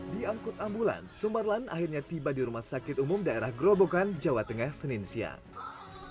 diangkut ambulan sumarlan akhirnya tiba di rumah sakit umum daerah grobogan jawa tengah senin siang